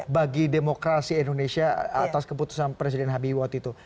bagi demokrasi indonesia atas keputusan presiden habi waktu itu